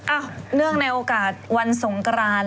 เนื่องในโอกาสวันสงกราน